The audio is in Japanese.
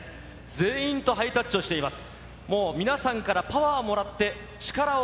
全員とハイタッチしています。